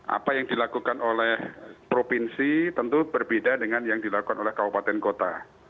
apa yang dilakukan oleh provinsi tentu berbeda dengan yang dilakukan oleh kabupaten kota